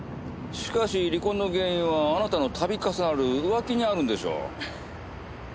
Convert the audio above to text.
しかし離婚の原因はあなたの度重なる浮気にあるんでしょう。